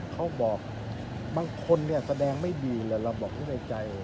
เขาบอกบางคนเนี่ยแสดงไม่ดีเหลือเราบอกอยู่ในใจ